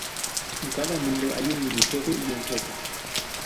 En cada mundo hay un mini jefe y un jefe.